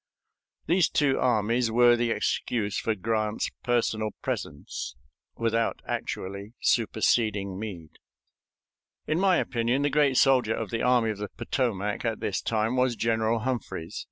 These two armies were the excuse for Grant's personal presence, without actually superseding Meade. In my opinion, the great soldier of the Army of the Potomac at this time was General Humphreys.